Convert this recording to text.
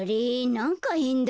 なんかへんだな。